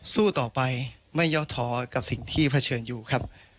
สู้ต่อไปไม่ยอดท้อกับสิ่งที่เผชิญอยู่ครับ